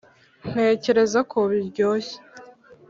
ntekereza ko biryoshye.